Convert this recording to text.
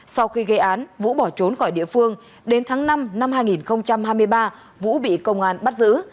sau khi gây án vũ bỏ trốn khỏi địa phương đến tháng năm năm hai nghìn hai mươi ba vũ bị công an bắt giữ